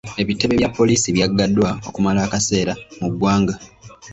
Ebitebe bya poliisi byaggaddwa okumala akaseera mu ggwanga.